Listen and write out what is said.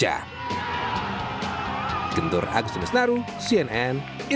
jangan lupa like share dan subscribe channel ini